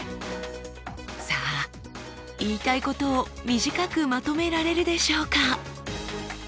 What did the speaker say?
さあ言いたいことを短くまとめられるでしょうか？